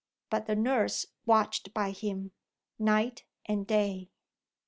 But the nurse watched by him, night and day.